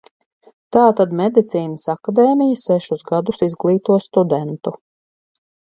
Tātad Medicīnas akadēmija sešus gadus izglīto studentu.